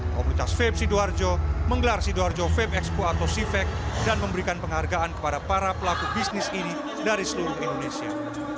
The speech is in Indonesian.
komunitas vape sidoarjo menggelar sidoarjo vape expo atau sifek dan memberikan penghargaan kepada para pelaku bisnis ini dari seluruh indonesia